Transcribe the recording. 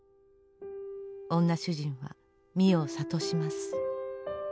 女主人は美世を諭します。